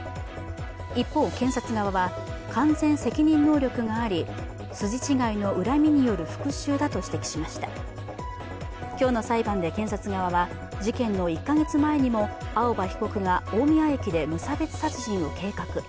一方、検察側は完全責任能力があり筋違いの恨みによる復しゅうだと指摘しました今日の裁判で検察側は、事件の１か月前にも青葉被告が大宮駅で無差別殺人を計画。